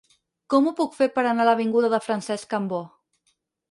Com ho puc fer per anar a l'avinguda de Francesc Cambó?